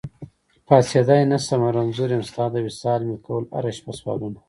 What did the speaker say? پاڅېدی نشمه رنځور يم، ستا د وصال مي کول هره شپه سوالونه